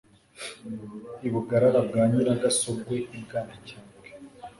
i bugagara bwa nyiragasogwe ibwanacyambwe